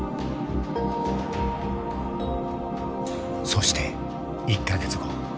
そして１か月後。